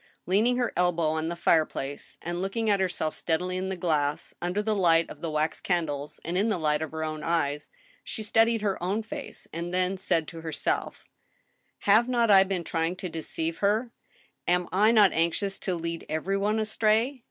Leaning her elbow on the fireplace, and looking at herself steadily in the glass, under the light of the wax candles and in the light of her own eyes, she studied her own face and then said to herself :* "Hiave not I been trying to deceive her — am I not anxious to lead every one astray